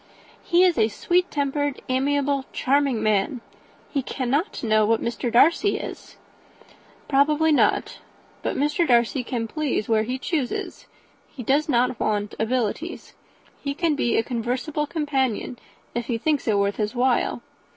"He is a sweet tempered, amiable, charming man. He cannot know what Mr. Darcy is." "Probably not; but Mr. Darcy can please where he chooses. He does not want abilities. He can be a conversible companion if he thinks it worth his while.